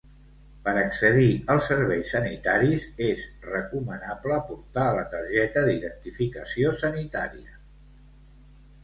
Per accedir als serveis sanitaris, és recomanable portar la targeta d'identificació sanitària.